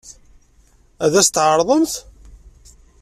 Ad as-t-tɛeṛḍemt?